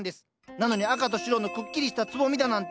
なのに赤と白のくっきりしたつぼみだなんて。